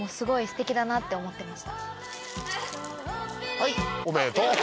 はいおめでとう。